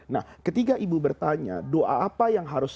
nah ketika ibu bertanya doa apa yang harus